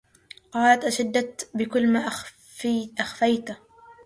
قالت أشدت بكل ما أخفيته